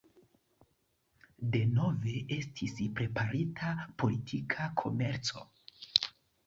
Denove estis preparita politika komerco.